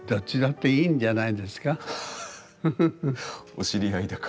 お知り合いだから。